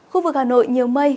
khu vực hà nội nhiều mây